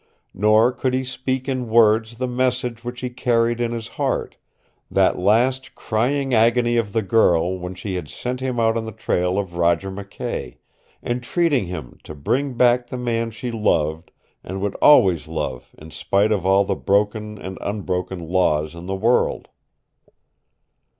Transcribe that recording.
Nor could he speak in words the message which he carried in his heart that last crying agony of the girl when she had sent him out on the trail of Roger McKay, entreating him to bring back the man she loved and would always love in spite of all the broken and unbroken laws in the world.